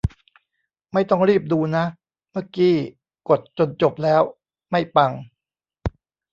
ไม่ต้องรีบดูนะ เมื่อกี้กดจนจบแล้ว ไม่ปัง